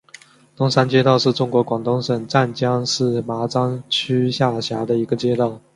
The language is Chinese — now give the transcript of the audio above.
东山街道是中国广东省湛江市麻章区下辖的一个街道。